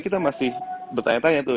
kita masih bertanya tanya tuh